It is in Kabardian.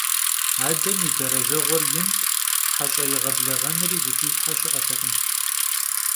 Adem yi derejjeğuer yint, heş'e yêğebleğenri zıxilhhe şı'etekhım.